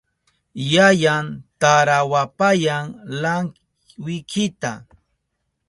Yayan tarawapayan lankwikita.